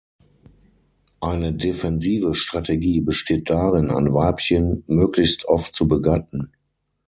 Eine "defensive" Strategie besteht darin, ein Weibchen möglichst oft zu begatten.